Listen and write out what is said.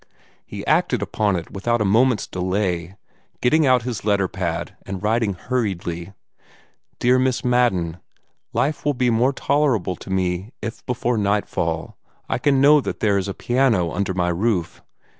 He acted upon it without a moment's delay, getting out his letter pad, and writing hurriedly "Dear Miss Madden, Life will be more tolerable to me if before nightfall I can know that there is a piano under my roof.